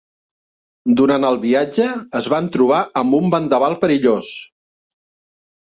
Durant el viatge, es van trobar amb un vendaval perillós.